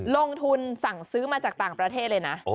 ลงทุนสั่งซื้อมาจากต่างประเทศเลยนะ